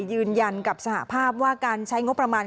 ยืนยันกับสหภาพว่าการใช้งบประมาณ